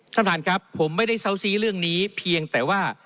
ท่านท่านครับผมไม่ได้เซาซีเรื่องนี้เพียงแต่ว่า